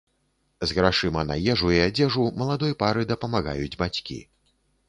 З грашыма на ежу і адзежу маладой пары дапамагаюць бацькі.